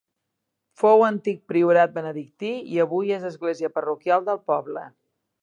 Fou antic priorat benedictí, i avui és església parroquial del poble.